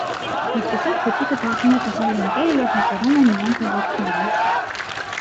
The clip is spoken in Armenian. Այսպիսով փուչիկը դառնում է տղայի ընկերը և հետևում է նրան փողոցներում։